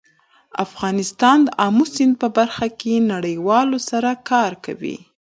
افغانستان د آمو سیند په برخه کې نړیوالو سره کار کوي.